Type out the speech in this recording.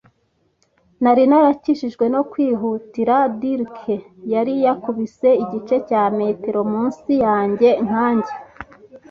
Nari narakijijwe no kwihutira; dirk yari yakubise igice cya metero munsi yanjye nkanjye